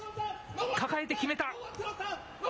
抱えて決めた。